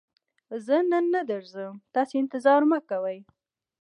زه نن نه درځم، تاسې انتظار مکوئ!